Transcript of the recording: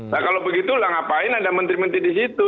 nah kalau begitu lah ngapain ada menteri menteri di situ